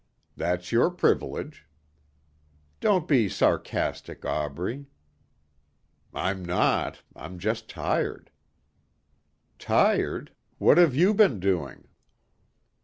"That's your privilege." "Don't be sarcastic, Aubrey." "I'm not. I'm just tired." "Tired? What have you been doing?"